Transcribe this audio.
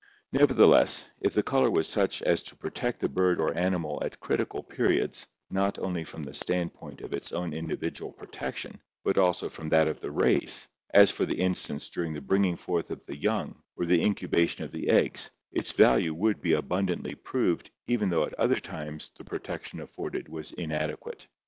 Nevertheless, if the color was such as to protect the bird or animal at critical periods, not only from the standpoint of its own in dividual protection, but also from that of the race, as for instance during the bringing forth of the young or the incubation of the eggs, its value would be abundantly proved even though at other times the protection afforded was inadequate.